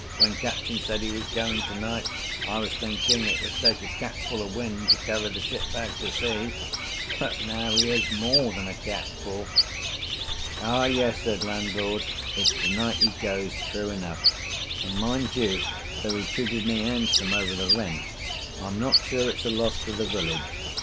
"When Captain said he was going tonight, I was thinking it would take a capful of wind to carry the ship back to sea, but now here's more than a capful." "Ah, yes," said landlord, "it's tonight he goes true enough, and, mind you, though he treated me handsome over the rent, I'm not sure it's a loss to the village.